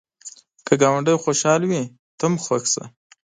که ګاونډی خوشحال وي، ته هم خوښ شه